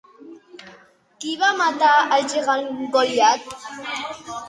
Qui va matar el gegant Goliat?